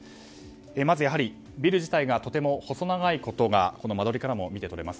まず、ビル自体がとても細長いことが間取りからも見て取れます。